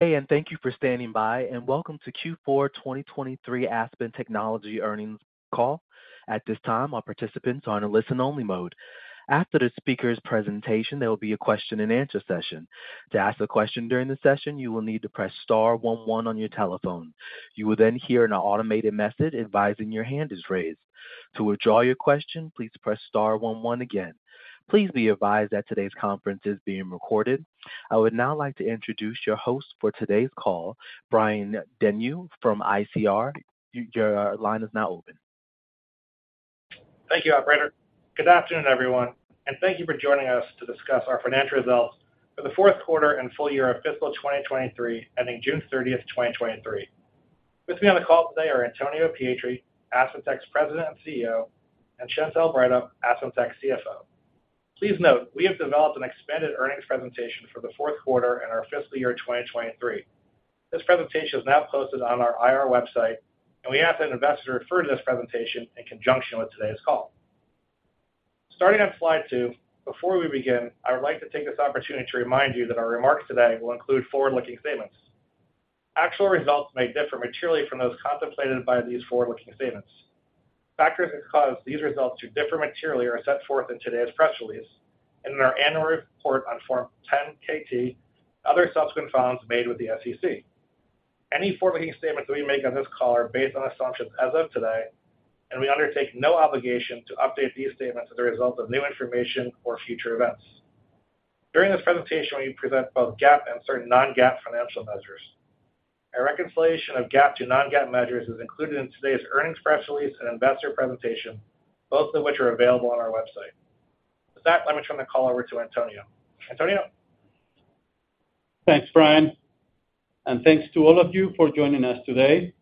Hey, thank you for standing by, and welcome to Q4 2023 Aspen Technology Earnings Call. At this time, all participants are in a listen-only mode. After the speaker's presentation, there will be a question-and-answer session. To ask a question during the session, you will need to press star one one on your telephone. You will hear an automated message advising your hand is raised. To withdraw your question, please press star one one again. Please be advised that today's conference is being recorded. I would now like to introduce your host for today's call, Brian Denyeau from ICR. Your line is now open. Thank you, operator. Good afternoon, everyone, thank you for joining us to discuss our financial results for the fourth quarter and full year of fiscal 2023, ending June 30, 2023. With me on the call today are Antonio Pietri, AspenTech's President and CEO, and Chantelle Breithaupt, AspenTech's CFO. Please note, we have developed an expanded earnings presentation for the fourth quarter and our fiscal year 2023. This presentation is now posted on our IR website, we ask that investors refer to this presentation in conjunction with today's call. Starting on Slide two, before we begin, I would like to take this opportunity to remind you that our remarks today will include forward-looking statements. Actual results may differ materially from those contemplated by these forward-looking statements. Factors that cause these results to differ materially are set forth in today's press release and in our annual report on Form 10-K, other subsequent filings made with the SEC. Any forward-looking statements we make on this call are based on assumptions as of today, and we undertake no obligation to update these statements as a result of new information or future events. During this presentation, we present both GAAP and certain non-GAAP financial measures. A reconciliation of GAAP to non-GAAP measures is included in today's earnings press release and investor presentation, both of which are available on our website. With that, let me turn the call over to Antonio. Antonio? Thanks, Brian, and thanks to all of you for joining us today.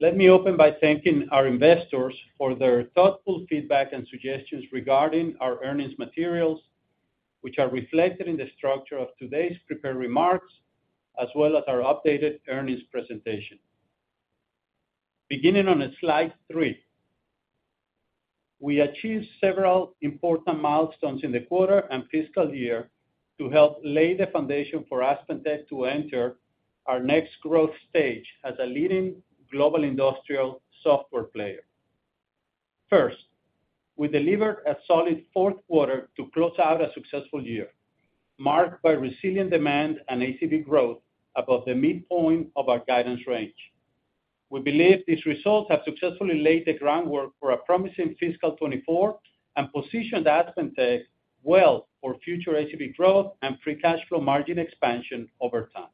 Let me open by thanking our investors for their thoughtful feedback and suggestions regarding our earnings materials, which are reflected in the structure of today's prepared remarks, as well as our updated earnings presentation. Beginning on Slide three, we achieved several important milestones in the quarter and fiscal year to help lay the foundation for AspenTech to enter our next growth stage as a leading global industrial software player. First, we delivered a solid fourth quarter to close out a successful year, marked by resilient demand and ACV growth above the midpoint of our guidance range. We believe these results have successfully laid the groundwork for a promising fiscal 24 and positioned AspenTech well for future ACV growth and free cash flow margin expansion over time.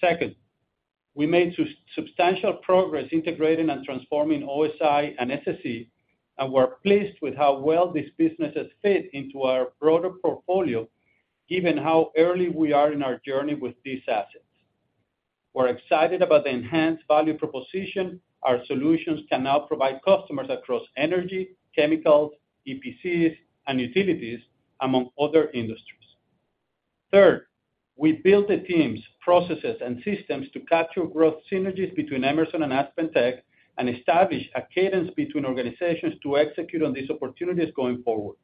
Second, we made substantial progress integrating and transforming OSI and SSE, and we're pleased with how well these businesses fit into our broader portfolio, given how early we are in our journey with these assets. We're excited about the enhanced value proposition. Our solutions can now provide customers across energy, chemicals, EPCs, and utilities, among other industries. Third, we built the teams, processes, and systems to capture growth synergies between Emerson and AspenTech and establish a cadence between organizations to execute on these opportunities going forward.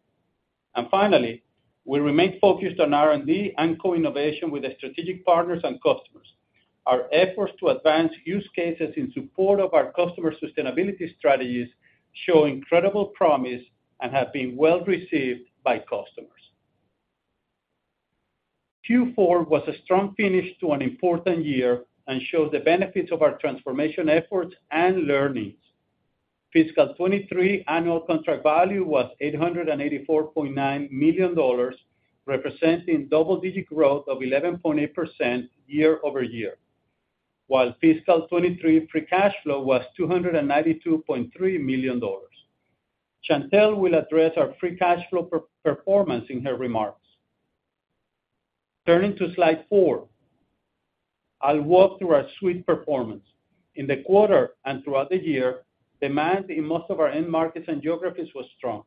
Finally, we remain focused on R&D and co-innovation with the strategic partners and customers. Our efforts to advance use cases in support of our customer sustainability strategies show incredible promise and have been well received by customers. Q4 was a strong finish to an important year and shows the benefits of our transformation efforts and learnings. Fiscal 23 annual contract value was $884.9 million, representing double-digit growth of 11.8% year-over-year, while Fiscal 23 Free Cash Flow was $292.3 million. Chantelle will address our Free Cash Flow per-performance in her remarks. Turning to Slide four, I'll walk through our suite performance. In the quarter and throughout the year, demand in most of our end markets and geographies was strong.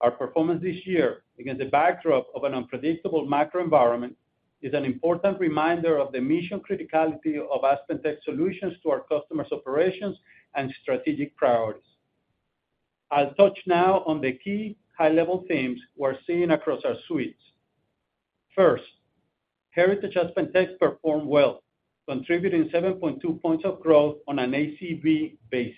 Our performance this year, against the backdrop of an unpredictable macro environment, is an important reminder of the mission criticality of AspenTech solutions to our customers' operations and strategic priorities. I'll touch now on the key high-level themes we're seeing across our suites. First, Heritage AspenTech performed well, contributing 7.2 points of growth on an ACV basis.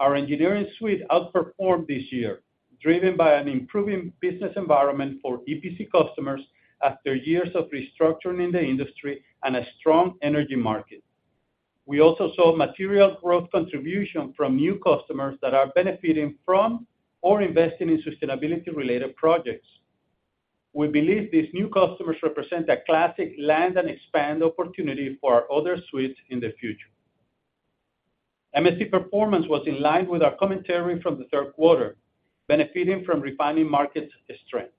Our engineering suite outperformed this year, driven by an improving business environment for EPC customers after years of restructuring in the industry and a strong energy market. We also saw material growth contribution from new customers that are benefiting from or investing in sustainability-related projects. We believe these new customers represent a classic land and expand opportunity for our other suites in the future. MSC performance was in line with our commentary from the third quarter, benefiting from refining market strength.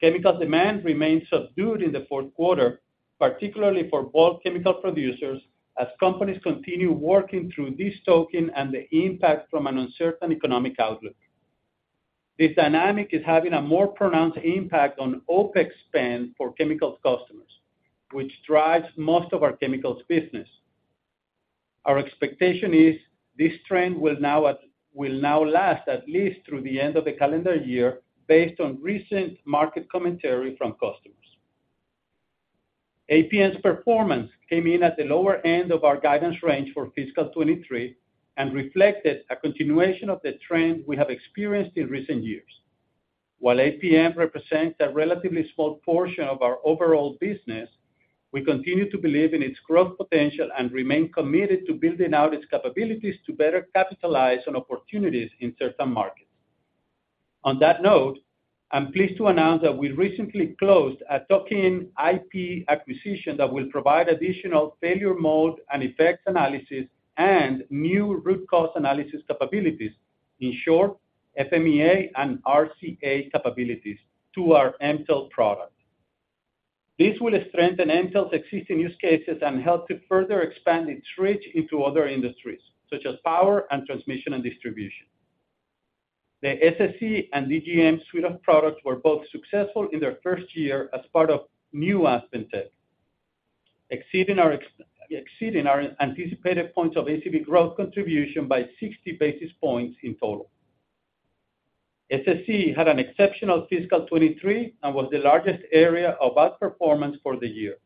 Chemical demand remained subdued in the fourth quarter, particularly for bulk chemical producers, as companies continue working through this token and the impact from an uncertain economic outlook. This dynamic is having a more pronounced impact on OpEx spend for chemicals customers, which drives most of our chemicals business. Our expectation is this trend will now last at least through the end of the calendar year, based on recent market commentary from customers. APM's performance came in at the lower end of our guidance range for fiscal 2023, reflected a continuation of the trend we have experienced in recent years. While APM represents a relatively small portion of our overall business, we continue to believe in its growth potential and remain committed to building out its capabilities to better capitalize on opportunities in certain markets. On that note, I'm pleased to announce that we recently closed a tuck-in IP acquisition that will provide additional failure mode and effects analysis, and new root cause analysis capabilities. In short, FMEA and RCA capabilities to our Mtell product. This will strengthen Mtell's existing use cases and help to further expand its reach into other industries, such as power and transmission and distribution. The SSE and DGM suite of products were both successful in their first year as part of new AspenTech, exceeding our anticipated points of ACV growth contribution by 60 basis points in total. SSE had an exceptional fiscal 2023, and was the largest area of outperformance for the year.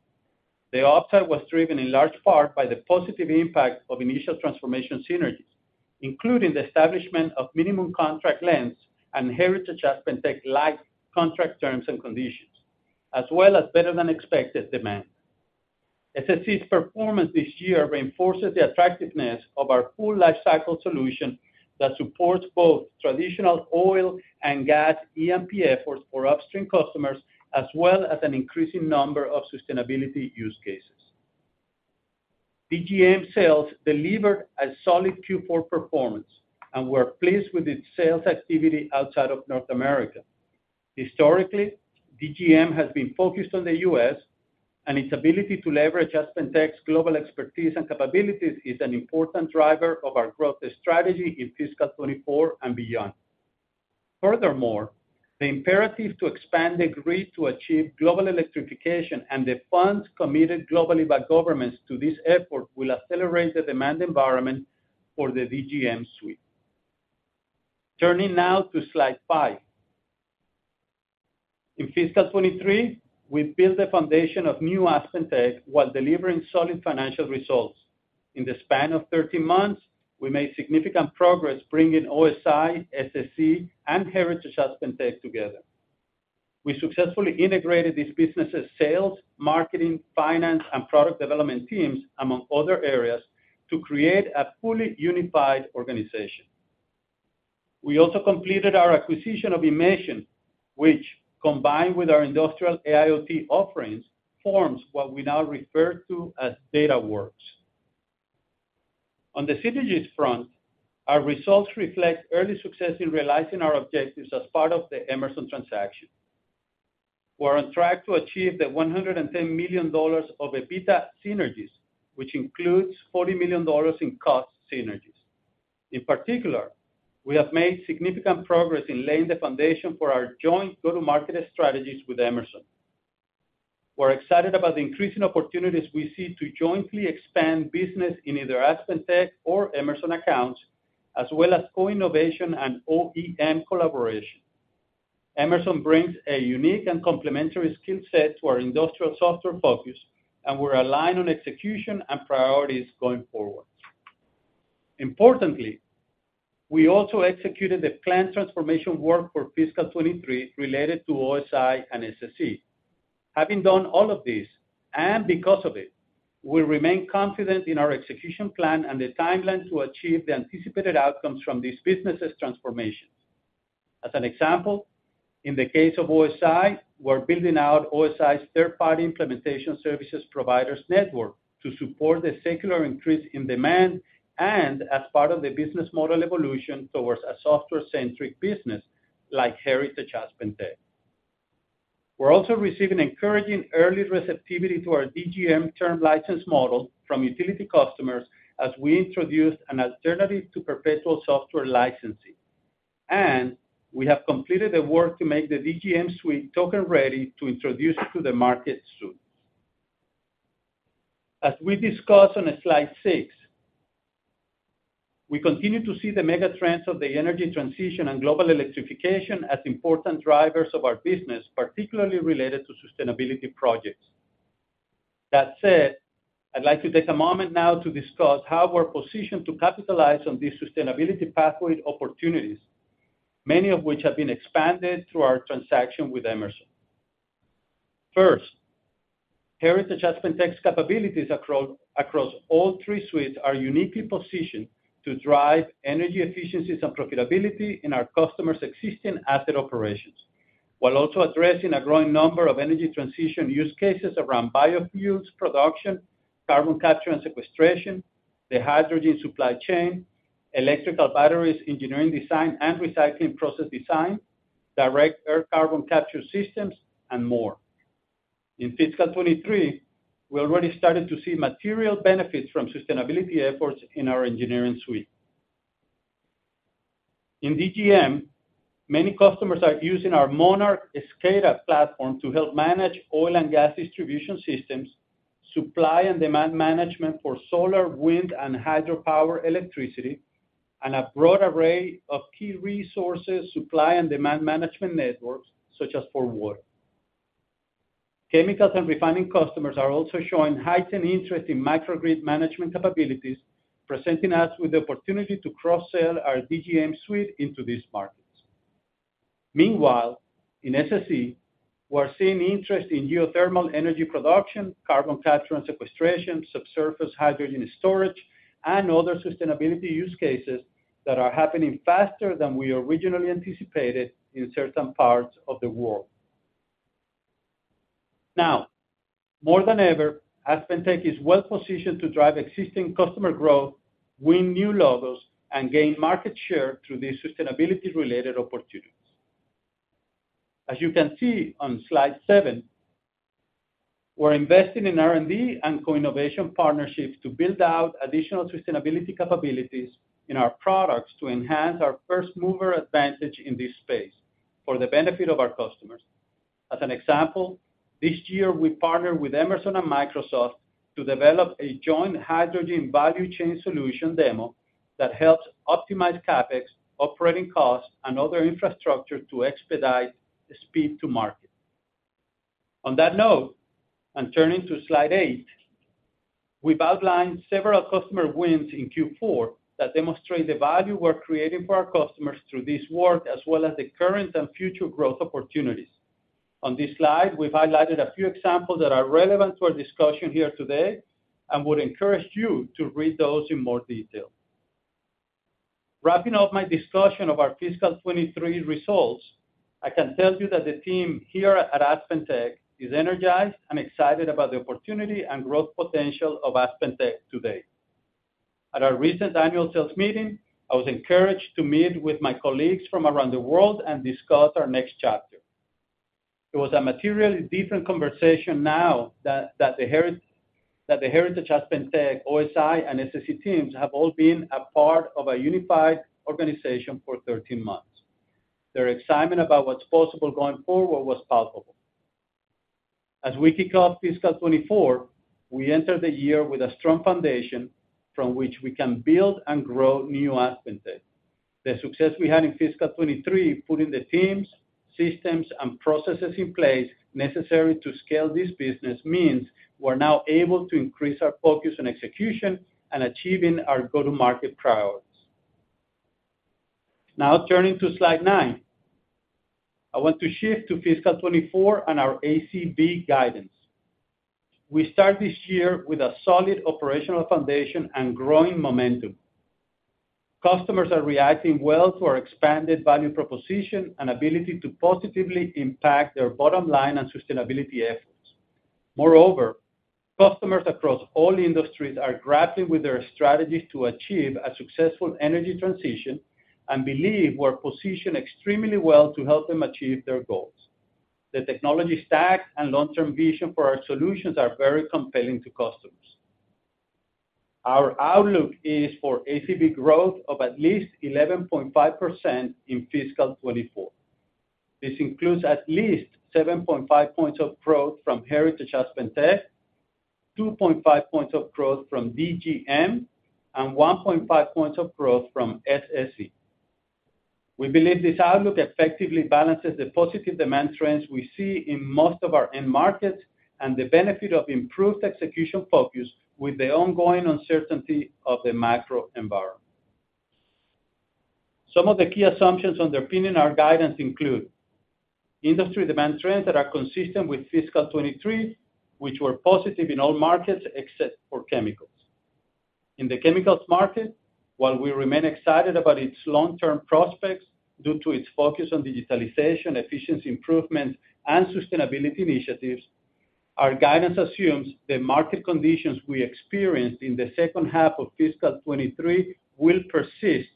The uptime was driven in large part by the positive impact of initial transformation synergies, including the establishment of minimum contract lengths and Heritage AspenTech live contract terms and conditions, as well as better than expected demand. SSE's performance this year reinforces the attractiveness of our full lifecycle solution that supports both traditional oil and gas E&P efforts for upstream customers, as well as an increasing number of sustainability use cases. DGM sales delivered a solid Q4 performance, and we're pleased with its sales activity outside of North America. Historically, DGM has been focused on the U.S., its ability to leverage AspenTech's global expertise and capabilities is an important driver of our growth strategy in fiscal 2024 and beyond. Furthermore, the imperative to expand the grid to achieve global electrification and the funds committed globally by governments to this effort will accelerate the demand environment for the DGM suite. Turning now to Slide five. In fiscal 2023, we built the foundation of new AspenTech while delivering solid financial results. In the span of 13 months, we made significant progress bringing OSI, SSE, and Heritage AspenTech together. We successfully integrated these businesses' sales, marketing, finance, and product development teams, among other areas, to create a fully unified organization. We also completed our acquisition of inmation, which, combined with our industrial AIoT offerings, forms what we now refer to as Dataworks. On the synergies front, our results reflect early success in realizing our objectives as part of the Emerson transaction. We're on track to achieve the $110 million of EBITDA synergies, which includes $40 million in cost synergies. In particular, we have made significant progress in laying the foundation for our joint go-to-market strategies with Emerson. We're excited about the increasing opportunities we see to jointly expand business in either AspenTech or Emerson accounts, as well as co-innovation and OEM collaboration. Emerson brings a unique and complementary skill set to our industrial software focus, and we're aligned on execution and priorities going forward. Importantly, we also executed the planned transformation work for fiscal 2023 related to OSI and SSE. Having done all of this, and because of it, we remain confident in our execution plan and the timeline to achieve the anticipated outcomes from these businesses' transformations. As an example, in the case of OSI, we're building out OSI's third-party implementation services providers network to support the secular increase in demand, and as part of the business model evolution towards a software-centric business like Heritage AspenTech. We're also receiving encouraging early receptivity to our DGM term license model from utility customers as we introduce an alternative to perpetual software licensing. We have completed the work to make the DGM suite token-ready to introduce to the market soon. As we discuss on slide 6, we continue to see the mega trends of the energy transition and global electrification as important drivers of our business, particularly related to sustainability projects. That said, I'd like to take a moment now to discuss how we're positioned to capitalize on these sustainability pathway opportunities, many of which have been expanded through our transaction with Emerson. First, Heritage AspenTech's capabilities across all three suites are uniquely positioned to drive energy efficiencies and profitability in our customers' existing asset operations, while also addressing a growing number of energy transition use cases around biofuels production, carbon capture and sequestration, the hydrogen supply chain, electrical batteries, engineering design and recycling process design, direct air carbon capture systems, and more. In fiscal 2023, we already started to see material benefits from sustainability efforts in our engineering suite. In DGM, many customers are using our Monarch SCADA platform to help manage oil and gas distribution systems, supply and demand management for solar, wind, and hydropower electricity, and a broad array of key resources, supply and demand management networks, such as for water. Chemicals and refining customers are also showing heightened interest in microgrid management capabilities, presenting us with the opportunity to cross-sell our DGM suite into these markets. Meanwhile, in SSE, we're seeing interest in geothermal energy production, carbon capture and sequestration, subsurface hydrogen storage, and other sustainability use cases that are happening faster than we originally anticipated in certain parts of the world. Now, more than ever, AspenTech is well positioned to drive existing customer growth, win new logos, and gain market share through these sustainability-related opportunities. As you can see on Slide seven, we're investing in R&D and co-innovation partnerships to build out additional sustainability capabilities in our products to enhance our first mover advantage in this space for the benefit of our customers. As an example, this year, we partnered with Emerson and Microsoft to develop a joint hydrogen value chain solution demo that helps optimize CapEx, operating costs, and other infrastructure to expedite the speed to market. On that note, and turning to Slide eight, we've outlined several customer wins in Q4 that demonstrate the value we're creating for our customers through this work, as well as the current and future growth opportunities. On this slide, we've highlighted a few examples that are relevant to our discussion here today and would encourage you to read those in more detail. Wrapping up my discussion of our fiscal 2023 results, I can tell you that the team here at AspenTech is energized and excited about the opportunity and growth potential of AspenTech today. At our recent annual sales meeting, I was encouraged to meet with my colleagues from around the world and discuss our next chapter. It was a materially different conversation now that the Heritage AspenTech, OSI, and SSE teams have all been a part of a unified organization for 13 months. Their excitement about what's possible going forward was palpable. We kick off fiscal 2024, we enter the year with a strong foundation from which we can build and grow new AspenTech. The success we had in fiscal 2023, putting the teams, systems, and processes in place necessary to scale this business, means we're now able to increase our focus on execution and achieving our go-to-market priorities. Turning to Slide nine. I want to shift to fiscal 2024 and our ACV guidance. We start this year with a solid operational foundation and growing momentum. Customers are reacting well to our expanded value proposition and ability to positively impact their bottom line and sustainability efforts. Moreover, customers across all industries are grappling with their strategies to achieve a successful energy transition and believe we're positioned extremely well to help them achieve their goals. The technology stack and long-term vision for our solutions are very compelling to customers. Our outlook is for ACV growth of at least 11.5% in fiscal 2024. This includes at least 7.5 points of growth from Heritage AspenTech, 2.5 points of growth from DGM, and 1.5 points of growth from SSE. We believe this outlook effectively balances the positive demand trends we see in most of our end markets, and the benefit of improved execution focus with the ongoing uncertainty of the macro environment. Some of the key assumptions underpinning our guidance include: industry demand trends that are consistent with fiscal 2023, which were positive in all markets except for chemicals. In the chemicals market, while we remain excited about its long-term prospects due to its focus on digitalization, efficiency improvements, and sustainability initiatives, our guidance assumes the market conditions we experienced in the second half of fiscal 2023 will persist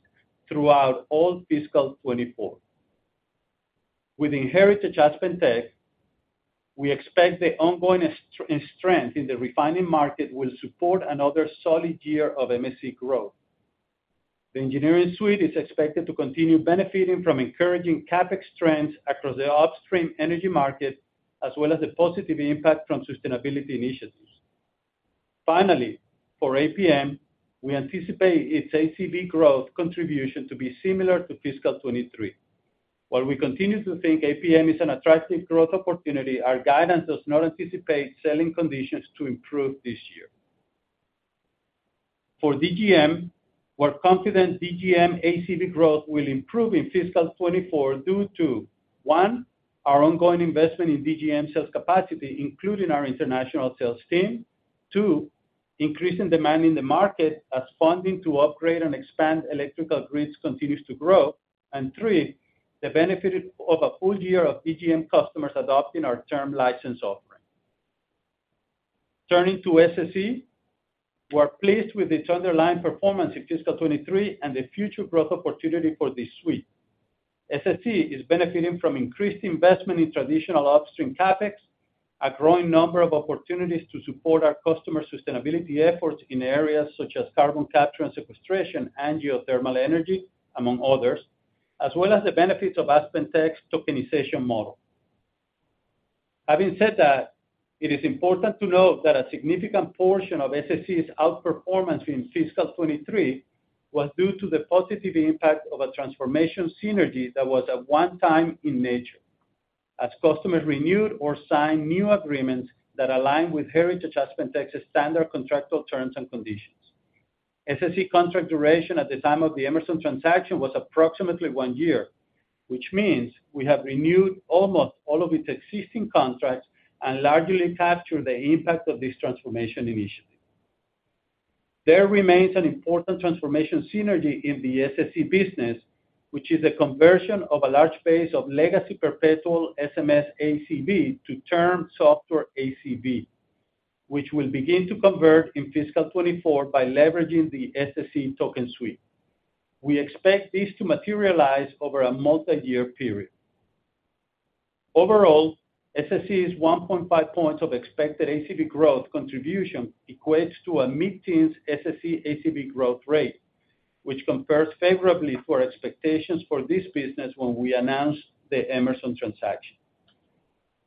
throughout all fiscal 2024. Within Heritage AspenTech, we expect the ongoing strength in the refining market will support another solid year of MSE growth. The engineering suite is expected to continue benefiting from encouraging CapEx trends across the upstream energy market, as well as the positive impact from sustainability initiatives. Finally, for APM, we anticipate its ACV growth contribution to be similar to fiscal 2023. While we continue to think APM is an attractive growth opportunity, our guidance does not anticipate selling conditions to improve this year. For DGM, we're confident DGM ACV growth will improve in fiscal 2024 due to. One, our ongoing investment in DGM sales capacity, including our international sales team. Two, increasing demand in the market as funding to upgrade and expand electrical grids continues to grow. Three, the benefit of a full year of DGM customers adopting our term license offering. Turning to SSE, we're pleased with its underlying performance in fiscal 2023 and the future growth opportunity for this suite. SSE is benefiting from increased investment in traditional upstream CapEx, a growing number of opportunities to support our customer sustainability efforts in areas such as carbon capture and sequestration and geothermal energy, among others, as well as the benefits of AspenTech's tokenization model. Having said that, it is important to note that a significant portion of SSE's outperformance in fiscal 2023 was due to the positive impact of a transformation synergy that was at one time in nature. As customers renewed or signed new agreements that align with Heritage AspenTech's standard contractual terms and conditions. SSE contract duration at the time of the Emerson transaction was approximately one year, which means we have renewed almost all of its existing contracts and largely captured the impact of this transformation initiative. There remains an important transformation synergy in the SSE business, which is a conversion of a large base of legacy perpetual SMS ACV to term software ACV, which will begin to convert in fiscal 2024 by leveraging the SSE token suite. We expect this to materialize over a multi-year period. Overall, SSE is 1.5 points of expected ACV growth contribution equates to a mid-teens SSE ACV growth rate, which compares favorably to our expectations for this business when we announced the Emerson transaction.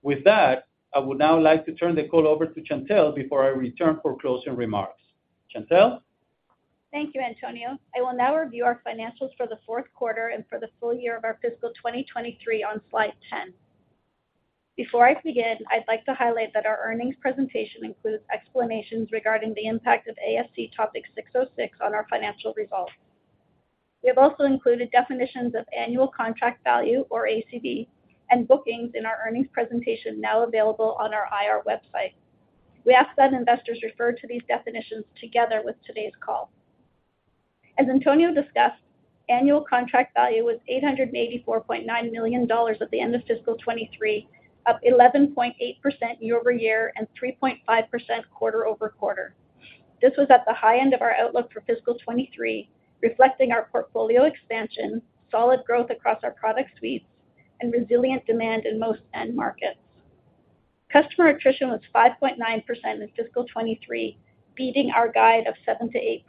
With that, I would now like to turn the call over to Chantelle before I return for closing remarks. Chantelle? Thank you, Antonio. I will now review our financials for the fourth quarter and for the full year of our fiscal 2023 on Slide 10. Before I begin, I'd like to highlight that our earnings presentation includes explanations regarding the impact of ASC Topic 606 on our financial results. We have also included definitions of annual contract value, or ACV, and bookings in our earnings presentation, now available on our IR website. We ask that investors refer to these definitions together with today's call. As Antonio discussed, annual contract value was $884.9 million at the end of fiscal 2023, up 11.8% year-over-year and 3.5% quarter-over-quarter. This was at the high end of our outlook for fiscal 2023, reflecting our portfolio expansion, solid growth across our product suites, and resilient demand in most end markets. Customer attrition was 5.9% in fiscal 2023, beating our guide of 7%-8%,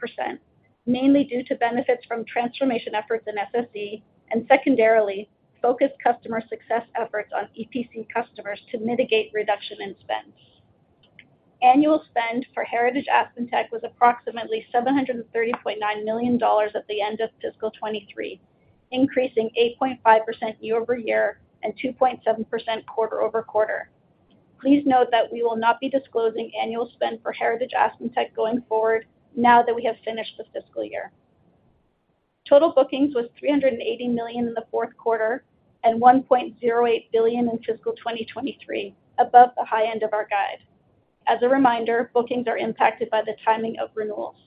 mainly due to benefits from transformation efforts in SSE, and secondarily, focused customer success efforts on EPC customers to mitigate reduction in spend. Annual spend for Heritage AspenTech was approximately $730.9 million at the end of fiscal 2023, increasing 8.5% year-over-year and 2.7% quarter-over-quarter. Please note that we will not be disclosing annual spend for Heritage AspenTech going forward now that we have finished the fiscal year. Total bookings was $380 million in the fourth quarter and $1.08 billion in fiscal 2023, above the high end of our guide. As a reminder, bookings are impacted by the timing of renewals.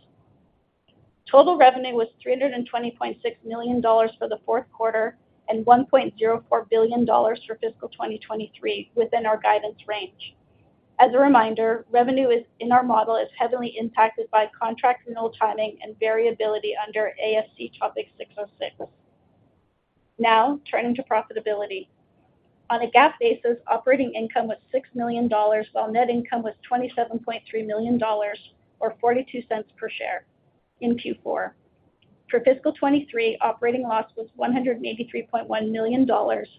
Total revenue was $320.6 million for the fourth quarter and $1.04 billion for fiscal 2023, within our guidance range. As a reminder, revenue is, in our model, is heavily impacted by contract renewal timing and variability under ASC Topic 606. Turning to profitability. On a GAAP basis, operating income was $6 million, while net income was $27.3 million, or $0.42 per share in Q4. For fiscal 2023, operating loss was $183.1 million,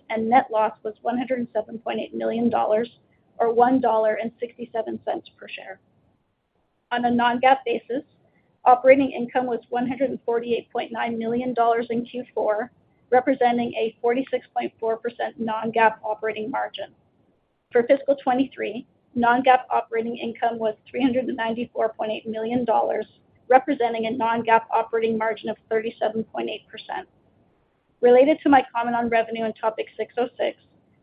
and net loss was $107.8 million, or $1.67 per share. On a non-GAAP basis, operating income was $148.9 million in Q4, representing a 46.4% non-GAAP operating margin. For fiscal 2023, non-GAAP operating income was $394.8 million, representing a non-GAAP operating margin of 37.8%. Related to my comment on revenue and Topic 606,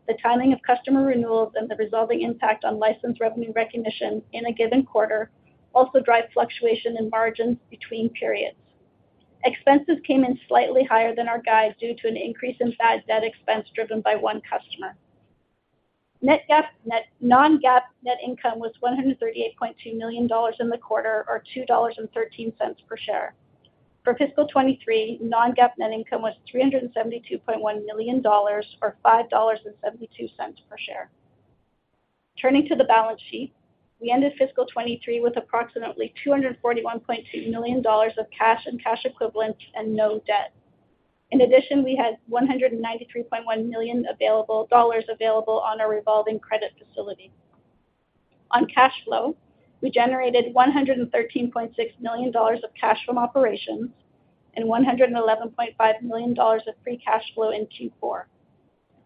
the timing of customer renewals and the resulting impact on licensed revenue recognition in a given quarter also drive fluctuation in margins between periods. Expenses came in slightly higher than our guide due to an increase in bad debt expense driven by one customer. Net GAAP, net-- non-GAAP net income was $138.2 million in the quarter, or $2.13 per share. For fiscal 2023, non-GAAP net income was $372.1 million, or $5.72 per share. Turning to the balance sheet, we ended fiscal 2023 with approximately $241.2 million of cash and cash equivalents and no debt. In addition, we had $193.1 million available dollars available on our revolving credit facility. On cash flow, we generated $113.6 million of cash from operations and $111.5 million of free cash flow in Q4.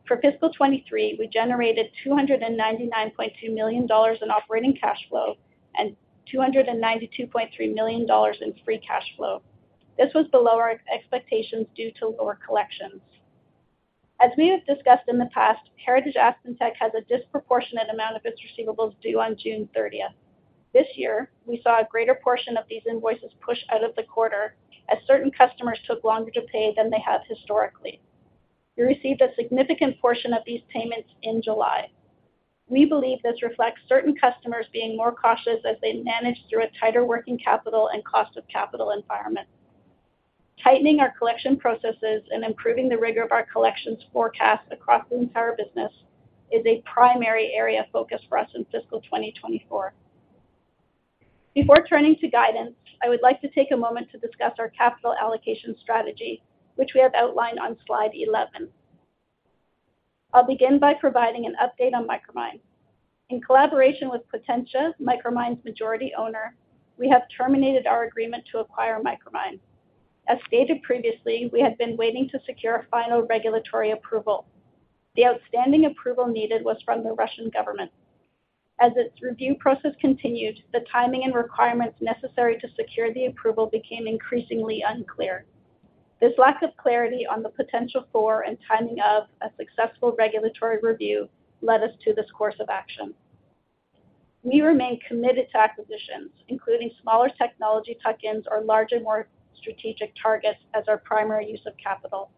For fiscal 2023, we generated $299.2 million in operating cash flow and $292.3 million in free cash flow. This was below our expectations due to lower collections. As we have discussed in the past, Heritage AspenTech has a disproportionate amount of its receivables due on June 30th. This year, we saw a greater portion of these invoices pushed out of the quarter as certain customers took longer to pay than they have historically. We received a significant portion of these payments in July. We believe this reflects certain customers being more cautious as they manage through a tighter working capital and cost of capital environment. Tightening our collection processes and improving the rigor of our collections forecast across the entire business is a primary area of focus for us in fiscal 2024. Before turning to guidance, I would like to take a moment to discuss our capital allocation strategy, which we have outlined on Slide 11. I'll begin by providing an update on Micromine. In collaboration with Potentia, Micromine's majority owner, we have terminated our agreement to acquire Micromine. As stated previously, we had been waiting to secure final regulatory approval. The outstanding approval needed was from the Russian government. As its review process continued, the timing and requirements necessary to secure the approval became increasingly unclear. This lack of clarity on the potential for and timing of a successful regulatory review led us to this course of action. We remain committed to acquisitions, including smaller technology tuck-ins or larger, more strategic targets as our primary use of capital.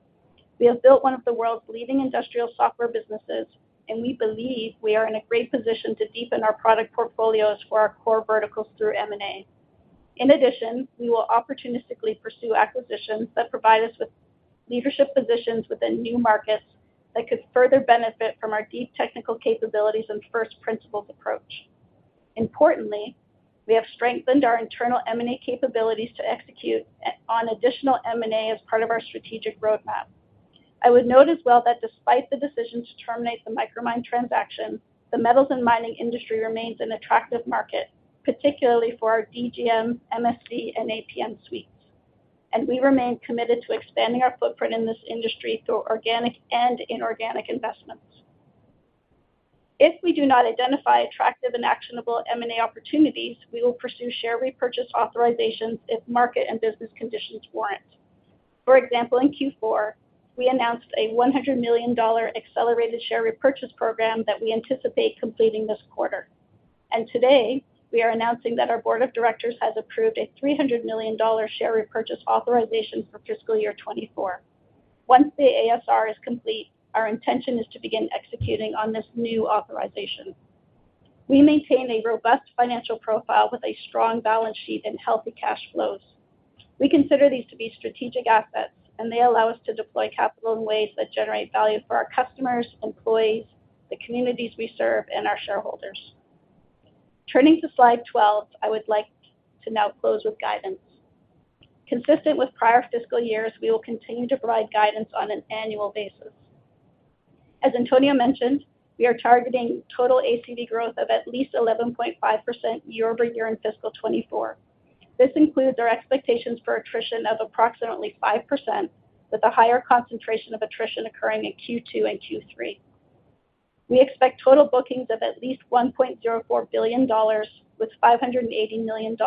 We have built one of the world's leading industrial software businesses, and we believe we are in a great position to deepen our product portfolios for our core verticals through M&A. In addition, we will opportunistically pursue acquisitions that provide us with leadership positions within new markets that could further benefit from our deep technical capabilities and first principles approach. Importantly, we have strengthened our internal M&A capabilities to execute on additional M&A as part of our strategic roadmap. I would note as well that despite the decision to terminate the Micromine transaction, the metals and mining industry remains an attractive market, particularly for our DGM, MSC, and APM suites. We remain committed to expanding our footprint in this industry through organic and inorganic investments. If we do not identify attractive and actionable M&A opportunities, we will pursue share repurchase authorizations if market and business conditions warrant. For example, in Q4, we announced a $100 million accelerated share repurchase program that we anticipate completing this quarter. Today, we are announcing that our board of directors has approved a $300 million share repurchase authorization for fiscal year 2024. Once the ASR is complete, our intention is to begin executing on this new authorization. We maintain a robust financial profile with a strong balance sheet and healthy cash flows. We consider these to be strategic assets. They allow us to deploy capital in ways that generate value for our customers, employees, the communities we serve, and our shareholders. Turning to slide 12, I would like to now close with guidance. Consistent with prior fiscal years, we will continue to provide guidance on an annual basis. As Antonio mentioned, we are targeting total ACV growth of at least 11.5% year-over-year in fiscal 2024. This includes our expectations for attrition of approximately 5%, with a higher concentration of attrition occurring in Q2 and Q3. We expect total bookings of at least $1.04 billion, with $580 million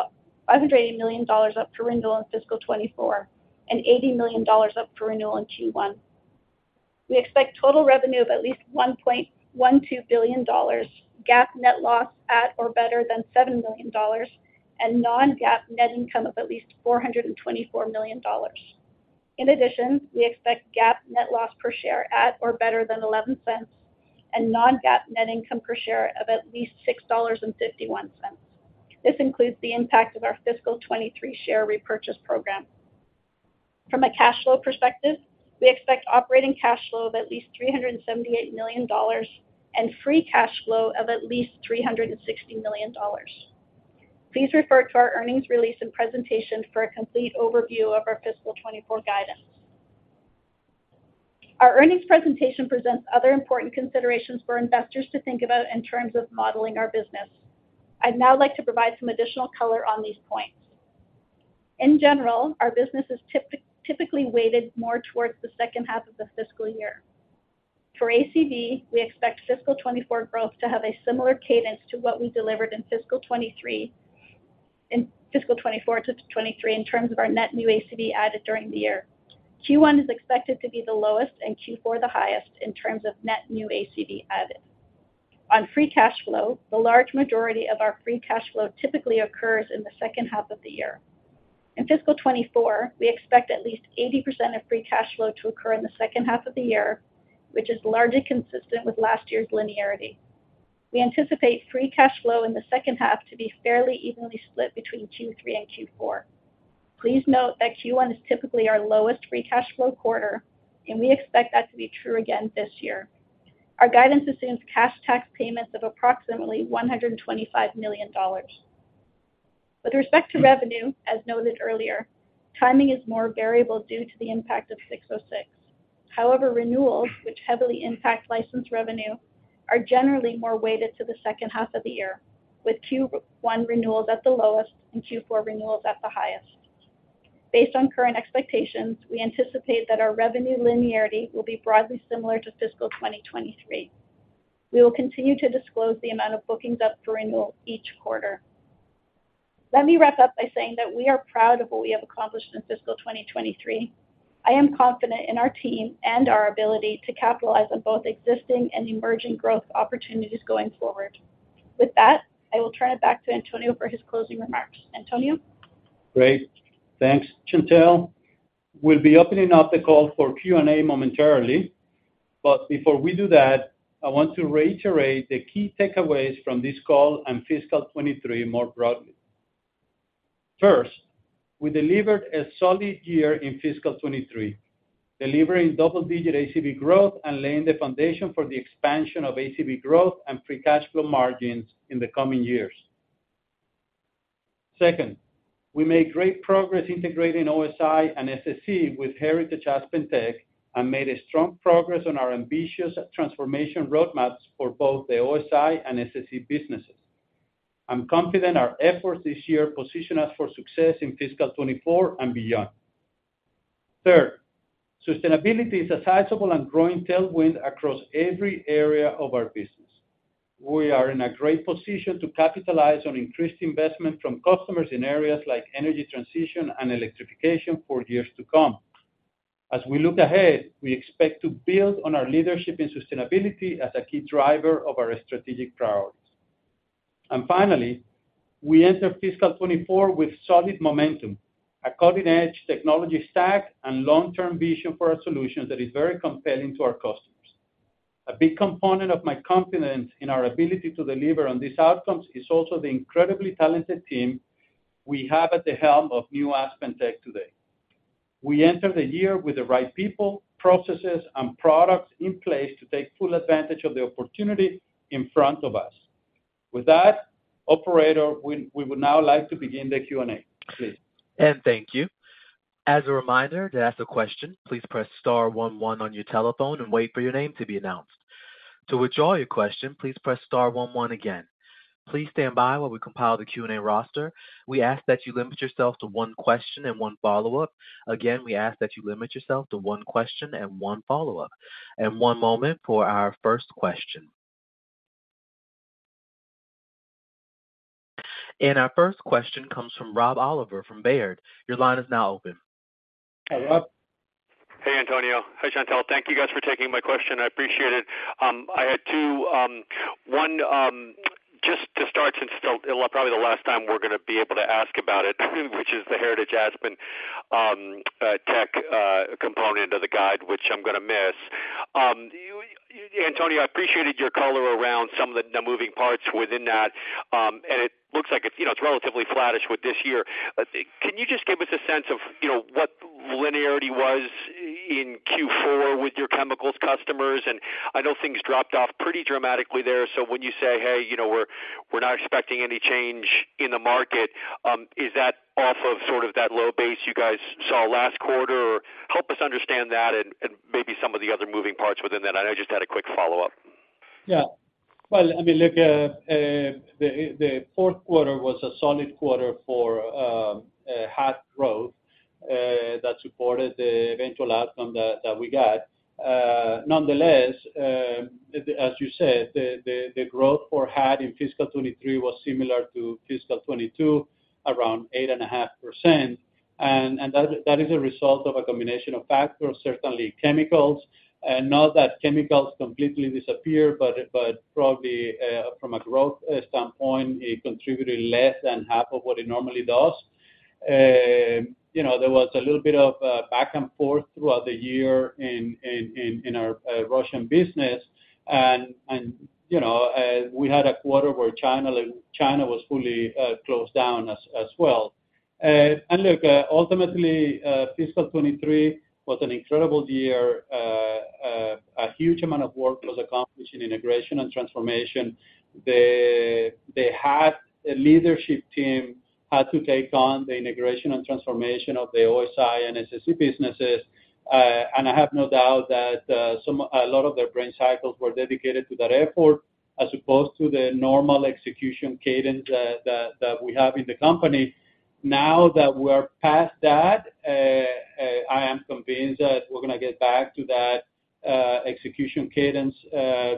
up for renewal in fiscal 2024, and $80 million up for renewal in Q1. We expect total revenue of at least $1.12 billion, GAAP net loss at or better than $7 million, and non-GAAP net income of at least $424 million. In addition, we expect GAAP net loss per share at or better than $0.11 and non-GAAP net income per share of at least $6.51. This includes the impact of our fiscal 2023 share repurchase program. From a cash flow perspective, we expect operating cash flow of at least $378 million and Free Cash Flow of at least $360 million. Please refer to our earnings release and presentation for a complete overview of our fiscal 2024 guidance. Our earnings presentation presents other important considerations for investors to think about in terms of modeling our business. I'd now like to provide some additional color on these points. In general, our business is typically weighted more towards the second half of the fiscal year. For ACV, we expect fiscal 2024 growth to have a similar cadence to what we delivered in fiscal 2023... In fiscal 2024 to 2023, in terms of our net new ACV added during the year. Q1 is expected to be the lowest, and Q4 the highest in terms of net new ACV added. On free cash flow, the large majority of our free cash flow typically occurs in the second half of the year. In fiscal 2024, we expect at least 80% of free cash flow to occur in the second half of the year, which is largely consistent with last year's linearity. We anticipate free cash flow in the second half to be fairly evenly split between Q3 and Q4. Please note that Q1 is typically our lowest free cash flow quarter, and we expect that to be true again this year. Our guidance assumes cash tax payments of approximately $125 million. With respect to revenue, as noted earlier, timing is more variable due to the impact of ASC 606. However, renewals, which heavily impact license revenue, are generally more weighted to the second half of the year, with Q1 renewals at the lowest and Q4 renewals at the highest. Based on current expectations, we anticipate that our revenue linearity will be broadly similar to fiscal 2023. We will continue to disclose the amount of bookings up for renewal each quarter. Let me wrap up by saying that we are proud of what we have accomplished in fiscal 2023. I am confident in our team and our ability to capitalize on both existing and emerging growth opportunities going forward. With that, I will turn it back to Antonio for his closing remarks. Antonio? Great. Thanks, Chantelle. We'll be opening up the call for Q&A momentarily, but before we do that, I want to reiterate the key takeaways from this call and fiscal 2023 more broadly. First, we delivered a solid year in fiscal 2023, delivering double-digit ACV growth and laying the foundation for the expansion of ACV growth and free cash flow margins in the coming years. Second, we made great progress integrating OSI and SSE with Heritage AspenTech, and made a strong progress on our ambitious transformation roadmaps for both the OSI and SSE businesses. I'm confident our efforts this year position us for success in fiscal 2024 and beyond. Third, sustainability is a sizable and growing tailwind across every area of our business. We are in a great position to capitalize on increased investment from customers in areas like energy transition and electrification for years to come. As we look ahead, we expect to build on our leadership in sustainability as a key driver of our strategic priorities. Finally, we enter fiscal 2024 with solid momentum, a cutting-edge technology stack, and long-term vision for our solutions that is very compelling to our customers. A big component of my confidence in our ability to deliver on these outcomes is also the incredibly talented team we have at the helm of New AspenTech today. We enter the year with the right people, processes, and products in place to take full advantage of the opportunity in front of us. With that, operator, we would now like to begin the Q&A, please. Thank you. As a reminder, to ask a question, please press star one one on your telephone and wait for your name to be announced. To withdraw your question, please press star one one again. Please stand by while we compile the Q&A roster. We ask that you limit yourself to one question and one follow-up. Again, we ask that you limit yourself to one question and 1 follow-up. one moment for our first question. Our first question comes from Rob Oliver from Baird. Your line is now open. Hi, Rob. Hey, Antonio. Hi, Chantelle. Thank you guys for taking my question. I appreciate it. I had two, one, just to start, since still probably the last time we're gonna be able to ask about it, which is the Heritage AspenTech component of the guide, which I'm gonna miss. Antonio, I appreciated your color around some of the, the moving parts within that, and it looks like it's, you know, it's relatively flattish with this year. Can you just give us a sense of, you know, what linearity was in Q4 with your chemicals customers? I know things dropped off pretty dramatically there, so when you say, "Hey, you know, we're, we're not expecting any change in the market," is that off of sort of that low base you guys saw last quarter? help us understand that and maybe some of the other moving parts within that. I know I just had a quick follow-up. Yeah. Well, I mean, look, the fourth quarter was a solid quarter for HAT growth that supported the eventual outcome that, we got. Nonetheless, as you said, the growth for HAT in fiscal 2023 was similar to fiscal 2022, around 8.5%, and, and that is a result of a combination of factors, certainly chemicals. Not that chemicals completely disappeared, but probably from a growth standpoint, it contributed less than half of what it normally does. You know, there was a little bit of back and forth throughout the year in our Russian business, and you know, we had a quarter where China, was fully closed down as, well. Look, ultimately, fiscal 2023 was an incredible year. A huge amount of work was accomplished in integration and transformation. The HAT leadership team had to take on the integration and transformation of the OSI and SSE businesses, and I have no doubt that a lot of their brain cycles were dedicated to that effort, as opposed to the normal execution cadence that we have in the company. Now that we're past that, I am convinced that we're gonna get back to that execution cadence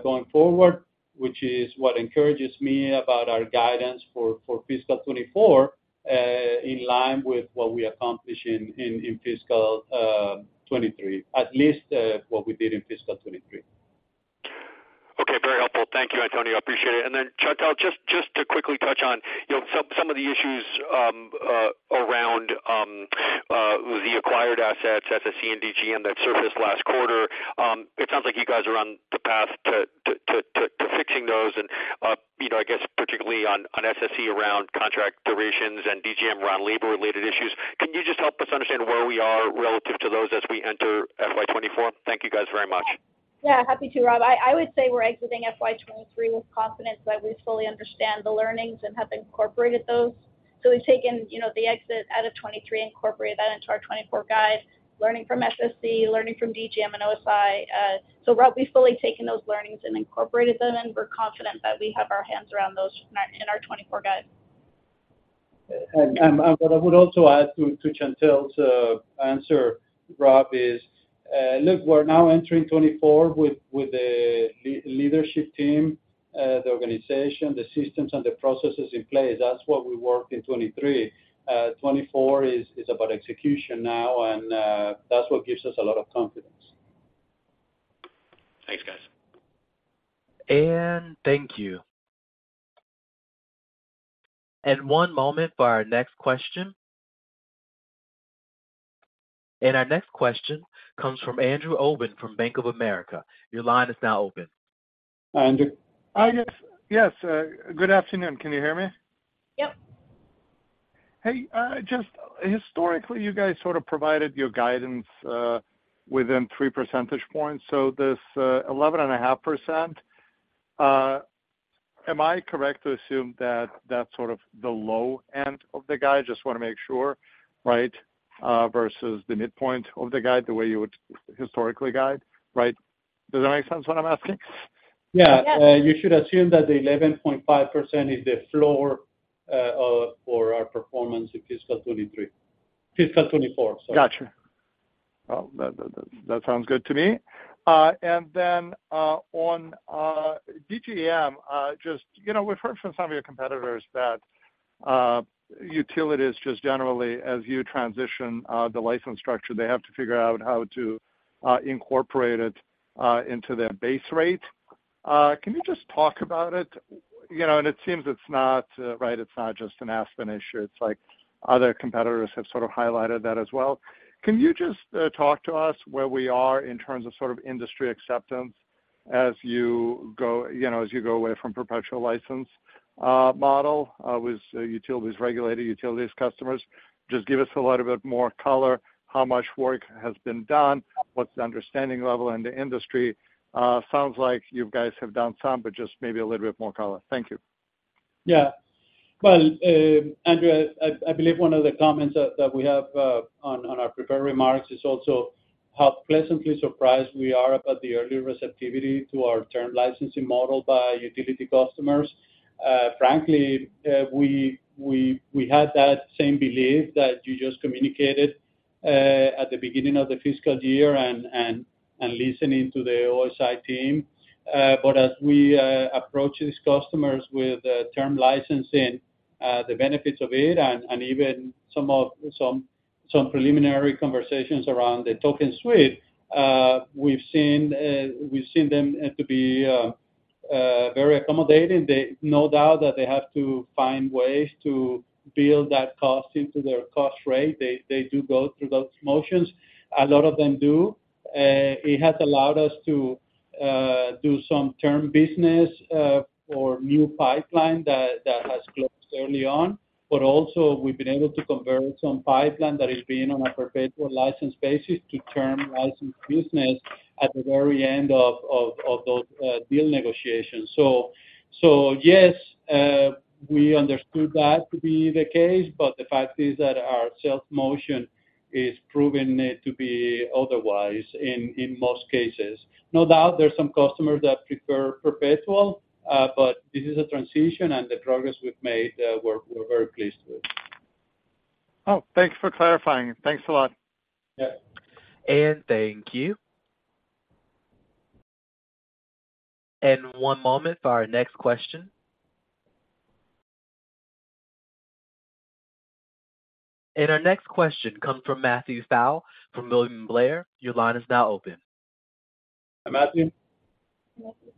going forward, which is what encourages me about our guidance for fiscal 2024 in line with what we accomplished in fiscal 2023. At least, what we did in fiscal 2023. Okay, very helpful. Thank you, Antonio. I appreciate it. And then, Chantelle, just, just to quickly touch on, you know, some, some of the issues around the acquired assets, SSE and DGM, that surfaced last quarter. It sounds like you guys are on the path to fixing those and, you know, I guess particularly on, on SSE around contract durations and DGM around labor-related issues. Can you just help us understand where we are relative to those as we enter FY 2024? Thank you guys very much. Yeah, happy to, Rob Oliver. I, I would say we're exiting FY 2023 with confidence, that we fully understand the learnings and have incorporated those. We've taken, you know, the exit out of 2023, incorporated that into our 2024 guide, learning from SSE, learning from DGM and OSI Inc. Rob Oliver, we've fully taken those learnings and incorporated them, and we're confident that we have our hands around those in our, in our 2024 guide. What I would also add to Chantelle's answer, Rob, is, look, we're now entering 2024 with a leadership team, the organization, the systems, and the processes in place. That's what we worked in 2023. 2024 is about execution now, and that's what gives us a lot of confidence. Thank you. One moment for our next question. Our next question comes from Andrew Obin from Bank of America. Your line is now open. Andrew? Hi, yes. Yes, good afternoon. Can you hear me? Yep. Hey, just historically, you guys sort of provided your guidance within 3 percentage points. This 11.5%, am I correct to assume that that's sort of the low end of the guide? Just want to make sure, right? Versus the midpoint of the guide, the way you would historically guide. Right? Does that make sense what I'm asking? Yeah. Yeah. You should assume that the 11.5% is the floor, for our performance in fiscal 2023. Fiscal 2024, sorry. Gotcha. Well, that, that, that sounds good to me. Then, on DGM, just, you know, we've heard from some of your competitors that utilities just generally, as you transition, the license structure, they have to figure out how to incorporate it into their base rate. Can you just talk about it? You know, it seems it's not, right, it's not just an Aspen issue. It's like other competitors have sort of highlighted that as well. Can you just talk to us where we are in terms of sort of industry acceptance as you go, you know, as you go away from perpetual license model with utilities, regulated utilities customers? Just give us a little bit more color, how much work has been done, what's the understanding level in the industry? Sounds like you guys have done some, but just maybe a little bit more color. Thank you. Yeah. Well, Andrew, I, I believe one of the comments that, that we have on, our prepared remarks is also how pleasantly surprised we are about the early receptivity to our term licensing model by utility customers. Frankly we had that same belief that you just communicated at the beginning of the fiscal year and, listening to the OSI team. As we approach these customers with term licensing, the benefits of it, and even some of, some, some preliminary conversations around the Token Suite, we've seen them to be very accommodating. They. No doubt that they have to find ways to build that cost into their cost rate. They, they do go through those motions. A lot of them do. It has allowed us to do some term business, or new pipeline that, that has closed early on, but also we've been able to convert some pipeline that is being on a perpetual license basis to term license business at the very end of, those deal negotiations. Yes, we understood that to be the case, but the fact is that our sales motion is proving it to be otherwise in, in most cases. No doubt there are some customers that prefer perpetual, but this is a transition and the progress we've made, we're, we're very pleased with. Oh, thanks for clarifying. Thanks a lot. Yeah. Thank you. One moment for our next question. Our next question comes from Matthew Pfau from William Blair. Your line is now open. Matthew?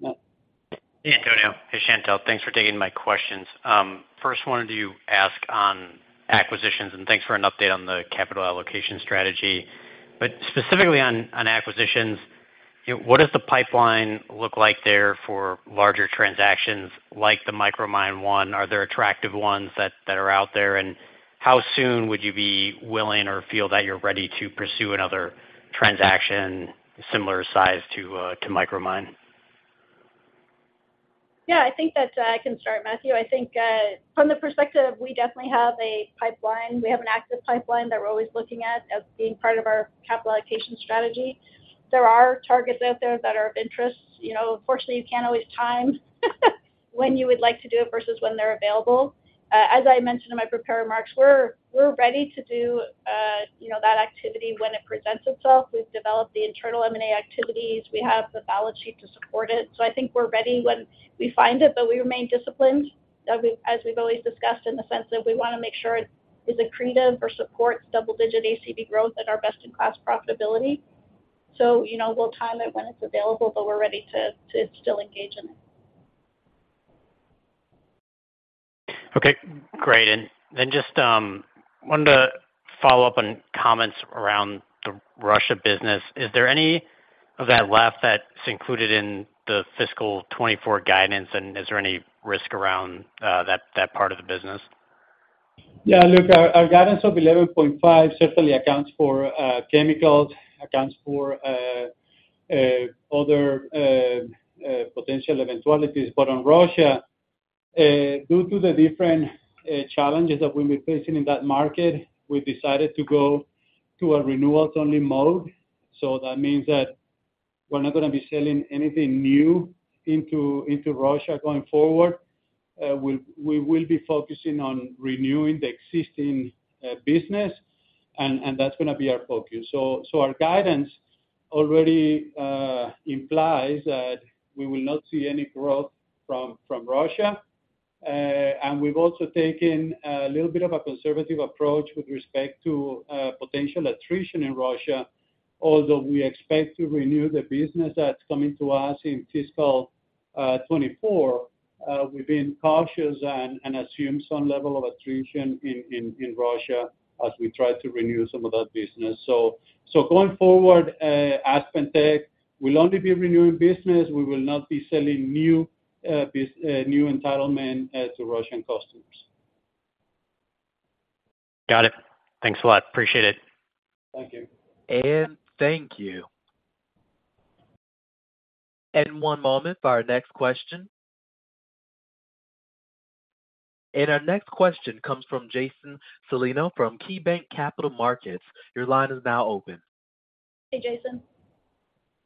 Hey, Antonio. Hey, Chantelle. Thanks for taking my questions. First wanted to ask on acquisitions, thanks for an update on the capital allocation strategy. Specifically on, on acquisitions, you know, what does the pipeline look like there for larger transactions like the Micromine one? Are there attractive ones that, that are out there, and how soon would you be willing or feel that you're ready to pursue another transaction, similar size to, to Micromine? Yeah, I think that, I can start, Matthew. I think, from the perspective, we definitely have a pipeline. We have an active pipeline that we're always looking at as being part of our capital allocation strategy. There are targets out there that are of interest. You know, unfortunately, you can't always time when you would like to do it versus when they're available. As I mentioned in my prepared remarks, we're, we're ready to do, you know, that activity when it presents itself. We've developed the internal M&A activities. We have the balance sheet to support it. I think we're ready when we find it, but we remain disciplined, as we've, as we've always discussed, in the sense that we want to make sure it is accretive or supports double-digit ACV growth and our best-in-class profitability. You know, we'll time it when it's available, but we're ready to still engage in it. Okay, great. wanted to follow up on comments around the Russia business. Is there any of that left that's included in the fiscal 2024 guidance? Is there any risk around that, that part of the business? Yeah, look, our guidance of 11.5 certainly accounts for chemicals, accounts for other potential eventualities. On Russia, due to the different challenges that we've been facing in that market, we decided to go to a renewals-only mode. That means that we're not going to be selling anything new into Russia going forward. We'll, we will be focusing on renewing the existing business, and that's gonna be our focus. Our guidance already implies that we will not see any growth from Russia, and we've also taken a little bit of a conservative approach with respect to potential attrition in Russia, although we expect to renew the business that's coming to us in fiscal 2024. We've been cautious and, and assume some level of attrition in, in, in Russia as we try to renew some of that business. So going forward, AspenTech will only be renewing business. We will not be selling new entitlement to Russian customers. Got it. Thanks a lot. Appreciate it. Thank you. Thank you. One moment for our next question. Our next question comes from Jason Celino from KeyBanc Capital Markets. Your line is now open. Hey, Jason.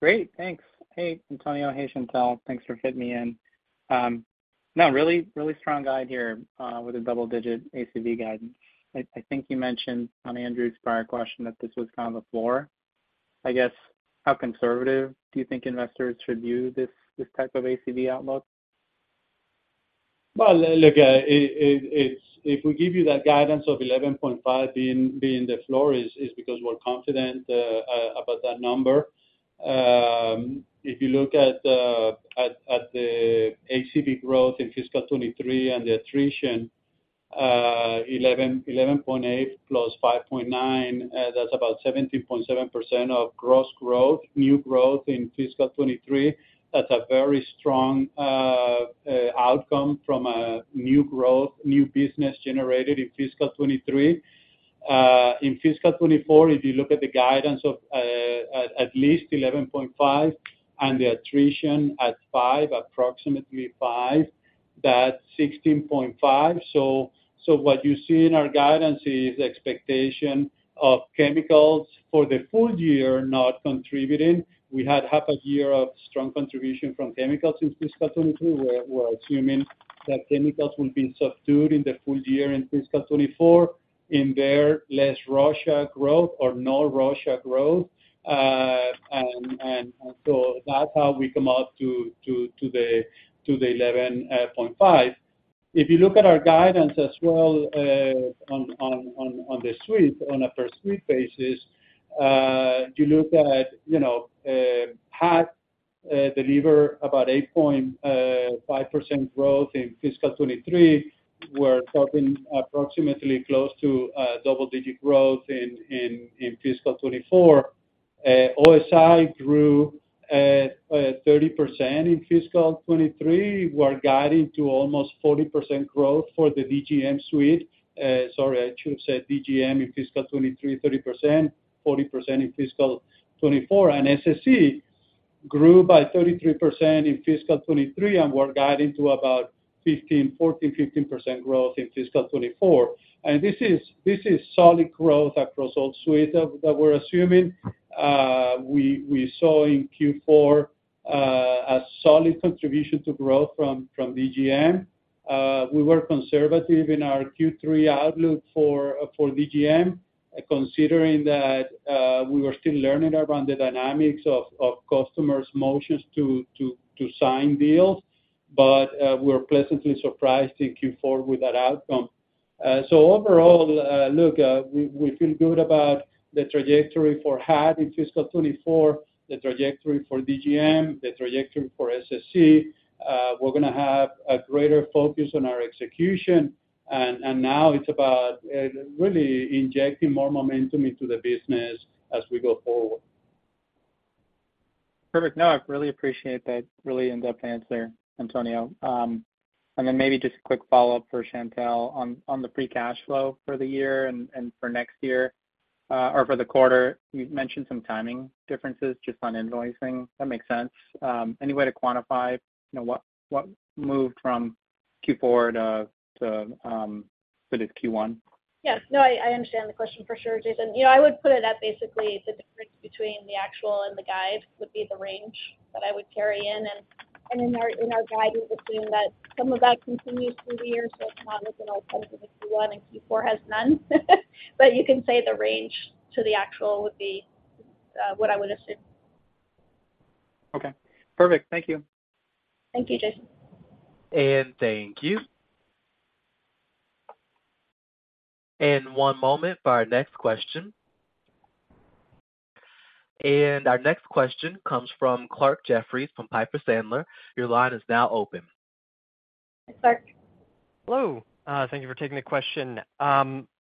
Great. Thanks. Hey, Antonio. Hey, Chantelle. Thanks for fitting me in. No, really, really strong guide here, with a double-digit ACV guidance. I think you mentioned on Andrew's prior question that this was kind of the floor. I guess, how conservative do you think investors should view this, this type of ACV outlook? Well, look, if we give you that guidance of 11.5 being, being the floor, because we're confident about that number. If you look at the ACV growth in fiscal 2023 and the attrition, 11.8 plus 5.9, that's about 17.7% of gross growth, new growth in fiscal 2023. That's a very strong outcome from a new growth, new business generated in fiscal 2023. In fiscal 2024, if you look at the guidance of at least 11.5 and the attrition at 5, approximately 5, that's 16.5. What you see in our guidance is expectation of chemicals for the full year, not contributing. We had half a year of strong contribution from chemicals in fiscal 2022, where we're assuming that chemicals will be subdued in the full year in fiscal 2024. There, less Russia growth or no Russia growth. That's how we come out to the 11.5. If you look at our guidance as well, on the suite, on a per-suite basis, you look at, you know, HAT deliver about 8.5% growth in fiscal 2023. We're talking approximately close to double-digit growth in fiscal 2024. OSI grew 30% in fiscal 2023. We're guiding to almost 40% growth for the DGM suite. Sorry, I should have said DGM in fiscal 2023, 30%, 40% in fiscal 2024. SSE grew by 33% in fiscal 2023, and we're guiding to about 15, 14, 15% growth in fiscal 2024. This is, this is solid growth across all suite that, that we're assuming. We, we saw in Q4, a solid contribution to growth from, from DGM. We were conservative in our Q3 outlook for, for DGM, considering that, we were still learning around the dynamics of, of customers' motions to, to, to sign deals, but, we're pleasantly surprised in Q4 with that outcome. Overall, look, we, we feel good about the trajectory for HAT in fiscal 2024, the trajectory for DGM, the trajectory for SSE. We're gonna have a greater focus on our execution, and, and now it's about, really injecting more momentum into the business as we go forward. Perfect. No, I really appreciate that really in-depth answer, Antonio. Then maybe just a quick follow-up for Chantelle on, on the free cash flow for the year and, and for next year, or for the quarter. You've mentioned some timing differences just on invoicing. That makes sense. Any way to quantify, you know, what, what moved from Q4 to, to, for this Q1? Yes. No, I, I understand the question for sure, Jason. You know, I would put it at basically the difference between the actual and the guide would be the range that I would carry in. In our, in our guide, we've assumed that some of that continues through the year, so it come out with an Q1 and Q4 has none. You can say the range to the actual would be what I would assume. Okay. Perfect. Thank you. Thank you, Jason. Thank you. One moment for our next question. Our next question comes from Clarke Jeffries from Piper Sandler. Your line is now open. Hi, Clarke. Hello. Thank you for taking the question.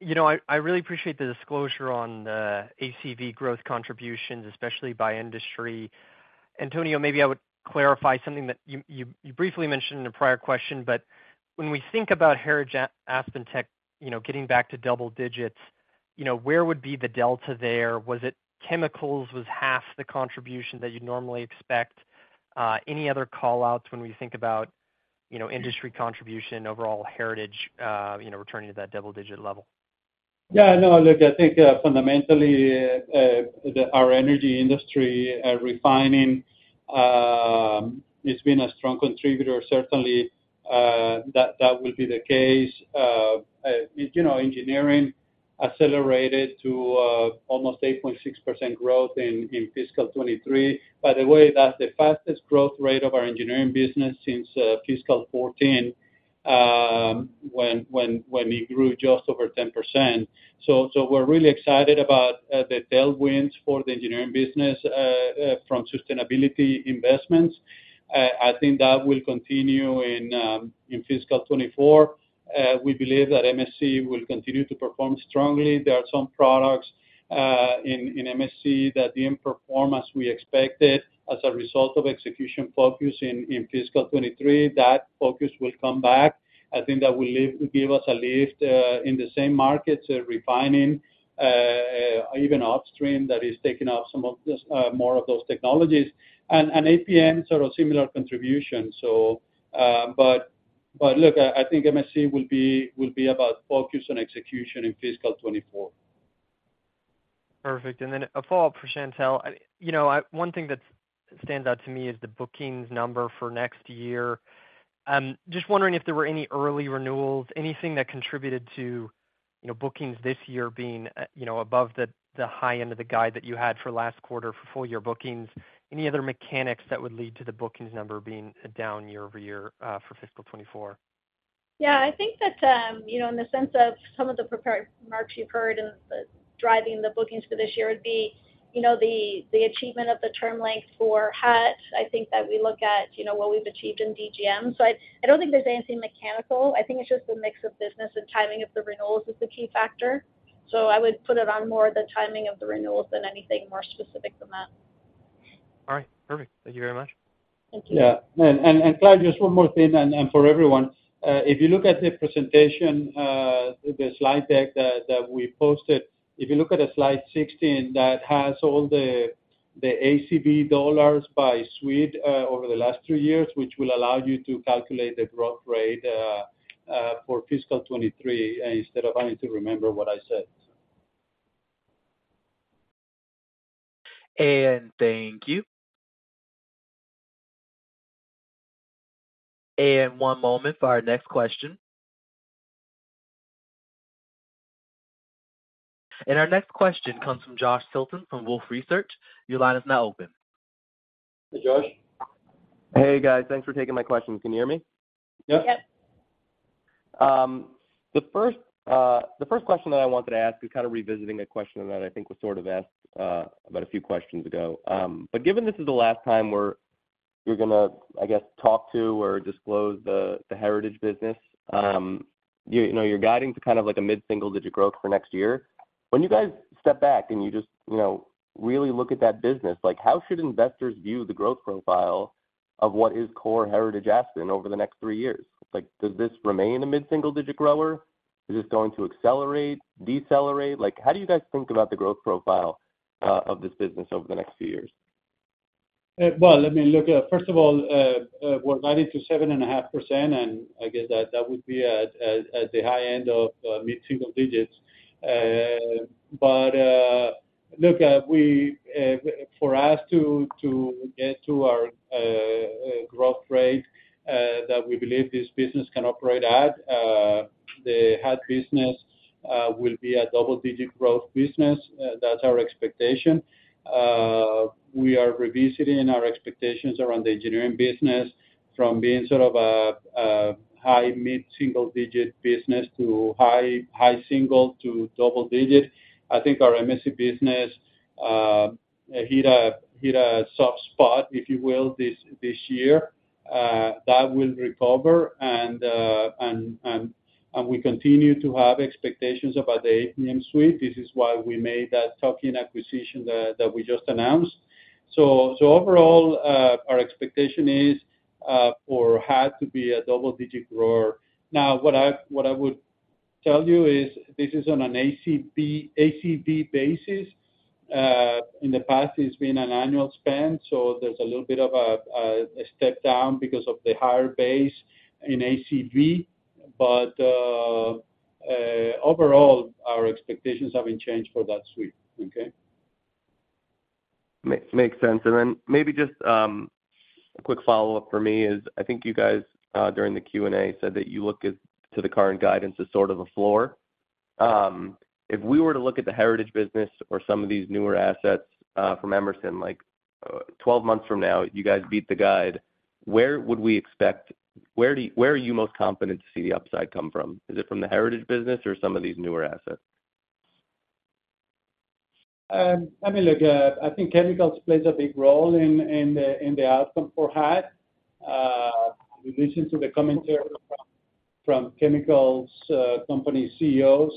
You know, I, I really appreciate the disclosure on the ACV growth contributions, especially by industry. Antonio, maybe I would clarify something that you, you, you briefly mentioned in a prior question. When we think about Heritage AspenTech, you know, getting back to double digits, you know, where would be the delta there? Was it chemicals was half the contribution that you'd normally expect? Any other call-outs when we think about, you know, industry contribution, overall Heritage, you know, returning to that double digit level? Yeah, no, look, I think fundamentally, the- our energy industry, refining, it's been a strong contributor. Certainly, that, that will be the case. You know, engineering accelerated to almost 8.6% growth in fiscal 2023. By the way, that's the fastest growth rate of our engineering business since fiscal 2014, when, when, when it grew just over 10%. So we're really excited about the tailwinds for the engineering business from sustainability investments. I think that will continue in fiscal 2024. We believe that MSC will continue to perform strongly. There are some products in MSC that didn't perform as we expected, as a result of execution focus in fiscal 2023. That focus will come back. I think that will give us a lift in the same markets, refining, even upstream, that is taking out some of this more of those technologies. APM sort of similar contribution. But look, I think MSC will be about focus on execution in fiscal 2024. Perfect. Then a follow-up for Chantelle. I, you know, one thing that stands out to me is the bookings number for next year. Just wondering if there were any early renewals, anything that contributed to, you know, bookings this year being, you know, above the high end of the guide that you had for last quarter for full year bookings? Any other mechanics that would lead to the bookings number being down year-over-year for fiscal 2024? Yeah, I think that, you know, in the sense of some of the prepared remarks you've heard in the driving the bookings for this year would be, you know, the, the achievement of the term length for HAT. I think that we look at, you know, what we've achieved in DGM. I, I don't think there's anything mechanical. I think it's just the mix of business and timing of the renewals is the key factor. I would put it on more the timing of the renewals than anything more specific than that. All right. Perfect. Thank you very much. Thank you. Yeah. Clyde, just one more thing, and for everyone. If you look at the presentation, the slide deck that we posted, if you look at the slide 16, that has all the ACV dollars by suite, over the last two years, which will allow you to calculate the growth rate for fiscal 2023, instead of having to remember what I said. Thank you. One moment for our next question. Our next question comes from Joshua Tilton from Wolfe Research. Your line is now open. Hey, Josh. Hey, guys. Thanks for taking my question. Can you hear me? Yep. Yep. The first, the first question that I wanted to ask is kind of revisiting a question that I think was sort of asked about a few questions ago. Given this is the last time we're, we're gonna, I guess, talk to or disclose the, the Heritage business, you know, you're guiding to kind of like a mid-single-digit growth for next year. When you guys step back, and you just, you know, really look at that business, like, how should investors view the growth profile of what is core Heritage Aspen over the next 3 years? Like, does this remain a mid-single-digit grower? Is this going to accelerate, decelerate? Like, how do you guys think about the growth profile of this business over the next few years? Well, let me look. First of all, we're guiding to 7.5%, and I guess that, that would be at the high end of mid-single digits. Look, we, for us to, get to our growth rate that we believe this business can operate at, the HAT business will be a double-digit growth business. That's our expectation. We are revisiting our expectations around the engineering business from being sort of a high mid-single digit business to high, single to double digit. I think our MSC business hit a, hit a soft spot, if you will, this, this year. That will recover and we continue to have expectations about the APM suite. This is why we made that tuck-in acquisition that, that we just announced. Overall, our expectation is for HAT to be a double-digit grower. Now, what I, what I would tell you is this is on an ACV, ACV basis. In the past, it's been an annual spend, so there's a little bit of a step down because of the higher base in ACV. Overall, our expectations haven't changed for that suite. Okay? Makes sense. Maybe just a quick follow-up for me is, I think you guys during the Q&A said that you look at to the current guidance as sort of a floor. If we were to look at the Heritage business or some of these newer assets from Emerson, like 12 months from now, you guys beat the guide. Where are you most confident to see the upside come from? Is it from the Heritage business or some of these newer assets? I mean, look, I think Chemicals plays a big role in, in the, in the outcome for HAT. We listen to the commentary from, from Chemicals, company CEOs.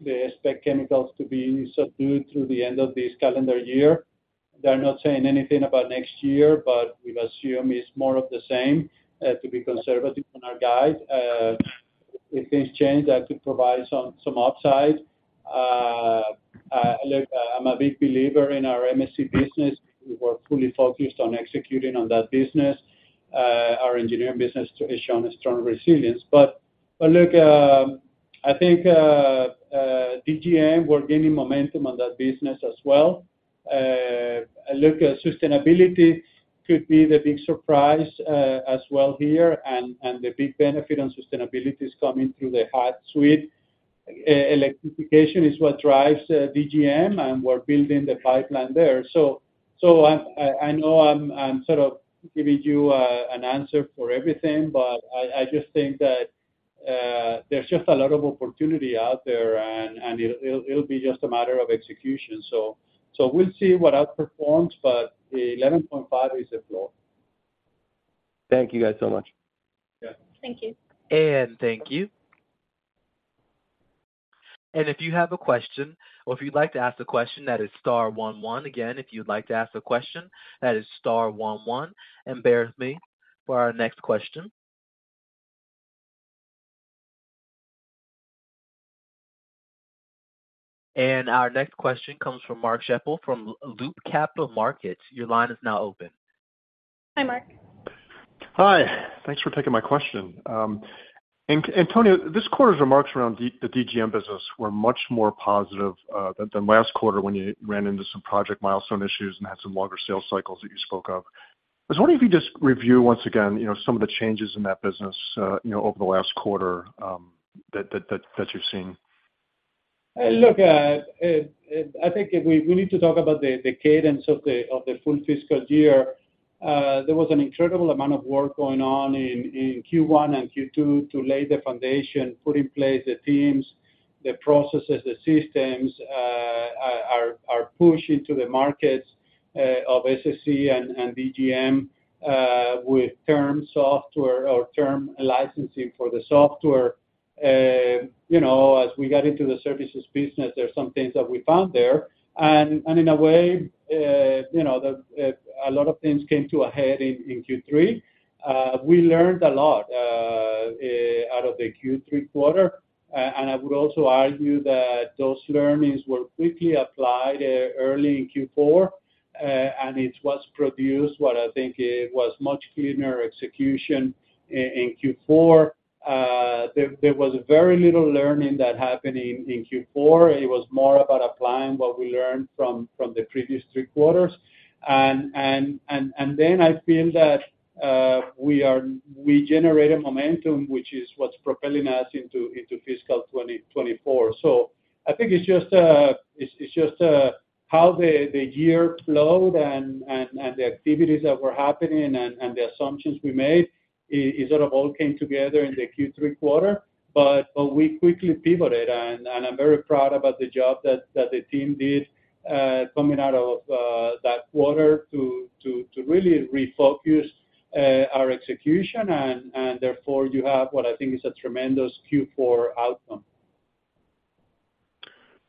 They expect Chemicals to be subdued through the end of this calendar year. They're not saying anything about next year, but we assume it's more of the same, to be conservative on our guide. If things change, that could provide some, some upside. Look, I'm a big believer in our MSC business. We're fully focused on executing on that business. Our engineering business has shown a strong resilience. Look, I think DGM, we're gaining momentum on that business as well. Look, sustainability could be the big surprise, as well here. The big benefit on sustainability is coming through the HAT suite. electrification is what drives DGM, and we're building the pipeline there. I know I'm, I'm sort of giving you an answer for everything, but I just think that there's just a lot of opportunity out there, and, and it'll be just a matter of execution. We'll see what outperforms, but 11.5 is the floor. Thank you guys, so much. Yeah. Thank you. Thank you. If you have a question or if you'd like to ask a question, that is star one one. Again, if you'd like to ask a question, that is star one one. Bear with me for our next question. Our next question comes from Mark Schappel from Loop Capital Markets. Your line is now open. Hi, Mark. Hi. Thanks for taking my question. Antonio, this quarter's remarks around the DGM business were much more positive than last quarter when you ran into some project milestone issues and had some longer sales cycles that you spoke of. I was wondering if you could just review once again, you know, some of the changes in that business, you know, over the last quarter that you've seen? Look, I think if we- we need to talk about the, the cadence of the, of the full fiscal year. There was an incredible amount of work going on in, in Q1 and Q2 to lay the foundation, put in place the teams, the processes, the systems, are, are pushed into the markets, of SSE and, and DGM, with term software or term licensing for the software. You know, as we got into the services business, there's some things that we found there. In a way, you know, the, a lot of things came to a head in, in Q3. We learned a lot out of the Q3 quarter, and I would also argue that those learnings were quickly applied early in Q4, and it was produced what I think it was much cleaner execution in Q4. There was very little learning that happened in Q4. It was more about applying what we learned from the previous three quarters. Then I feel that we generated momentum, which is what's propelling us into fiscal 2024. I think it's just how the year flowed and the activities that were happening and the assumptions we made, it sort of all came together in the Q3 quarter. We quickly pivoted, and, and I'm very proud about the job that, that the team did, coming out of that quarter to, really refocus our execution, and, and therefore, you have what I think is a tremendous Q4 outcome.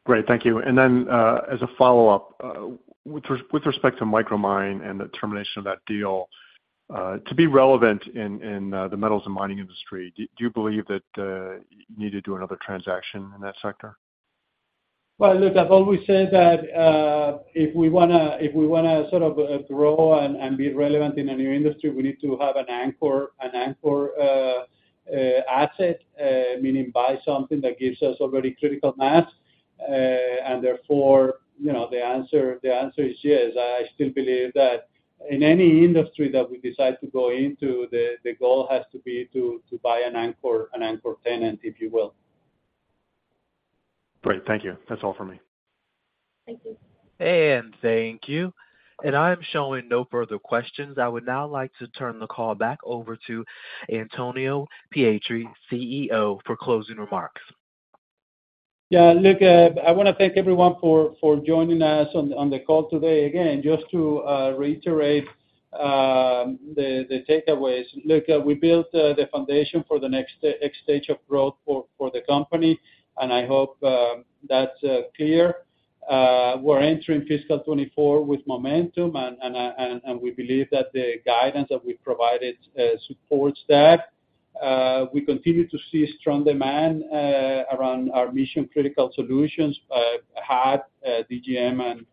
Great. Thank you. Then, as a follow-up, with respect to Micromine and the termination of that deal, to be relevant in, the metals and mining industry, do, do you believe that, you need to do another transaction in that sector? Well, look, I've always said that, if we wanna, if we wanna sort of, grow and, and be relevant in a new industry, we need to have an anchor, asset, meaning buy something that gives us already critical mass. Therefore, you know, the answer, the answer is yes. I still believe that in any industry that we decide to go into the goal has to be to buy an anchor tenant, if you will. Great. Thank you. That's all for me. Thank you. Thank you. I'm showing no further questions. I would now like to turn the call back over to Antonio Pietri, CEO, for closing remarks. Yeah, look, I wanna thank everyone for, for joining us on the, on the call today. Again, just to reiterate, the takeaways. Look, we built the foundation for the next next stage of growth for, the company, and I hope that's clear. We're entering fiscal 2024 with momentum and we believe that the guidance that we provided supports that. We continue to see strong demand around our mission-critical solutions, HAT, DGM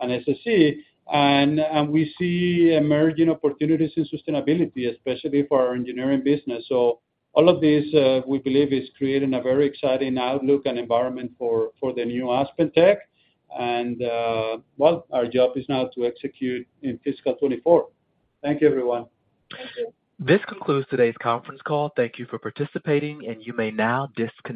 and SSE. We see emerging opportunities in sustainability, especially for our engineering business. All of this, we believe is creating a very exciting outlook and environment for, for the new AspenTech. Well, our job is now to execute in fiscal 2024. Thank you, everyone. Thank you. This concludes today's conference call. Thank you for participating, and you may now disconnect.